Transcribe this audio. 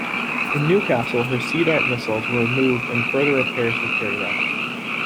In Newcastle, her Sea Dart missiles were removed and further repairs were carried out.